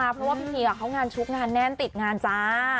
เพราะว่าพี่พีเขางานชุกงานแน่นติดงานจ้า